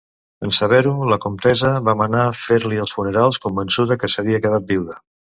En saber-ho, la Comtessa va manar fer-li els funerals, convençuda que s'havia quedat viuda.